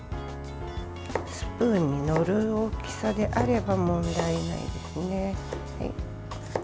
スプーンに載る大きさであれば問題ないですね。